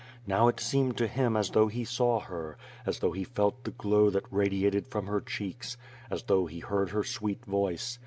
Now it seemed to him as thouprh he saw her, as though he felt the glow that radiated from her cheeks, as though he heard her sweet voice.